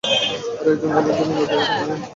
আর এরজন্য আমি যে মূল্য দিয়েছি, তা হল যন্ত্রণা!